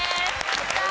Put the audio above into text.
やったー！